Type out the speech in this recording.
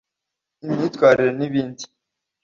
imyitwerire n’ibindi